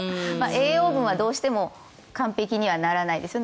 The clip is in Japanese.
栄養分はどうしても完璧にはならないです。